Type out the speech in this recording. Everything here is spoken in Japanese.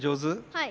はい。